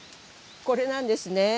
これなんですね。